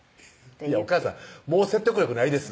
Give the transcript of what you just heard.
お母さんもう説得力ないです